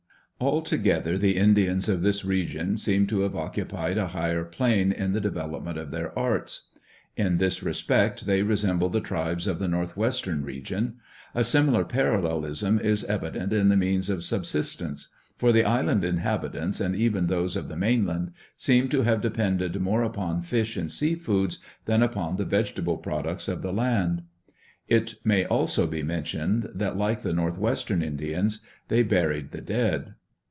Altogether the Indians of this region seem to have occupied a higher plane in the development of their arts. In this respect they resemble the tribes of the northwestern region. A similar parallelism is evi dent in the means of subsistence; for the island inhabitants, and even those of the mainland, seem to have depended more upon fish and sea foods than upon the vegetable products of the land. It may also be mentioned that like the northwestern Indians they buried the dead.